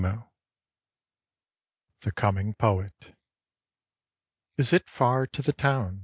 99 THE COMING POET " Is it far to the town?